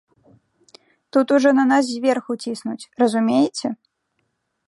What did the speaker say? Тут ужо на нас зверху ціснуць, разумееце?